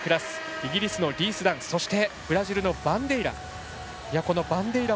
イギリスのリース・ダンブラジルのバンデイラ。